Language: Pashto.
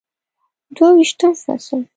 دوه ویشتم فصل